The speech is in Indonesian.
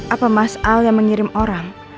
apa mas al yang mengirim orang